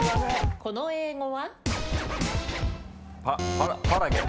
この英語は？